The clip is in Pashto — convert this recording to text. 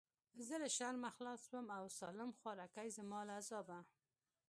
زه له شرمه خلاص سوم او سالم خواركى زما له عذابه.